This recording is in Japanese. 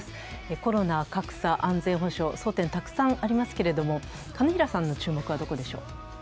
コロナ、格差、安全保障、争点たくさんありますけれども、金平さんの注目はどこでしょう？